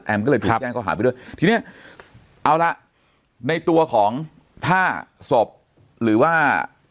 ก็เลยถูกแจ้งเขาหาไปด้วยทีเนี้ยเอาละในตัวของถ้าศพหรือว่า